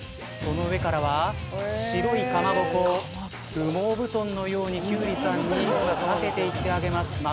その上からは白いかまぼこを羽毛布団のようにキュウリさんに掛けていってあげます。